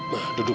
ma duduk dulu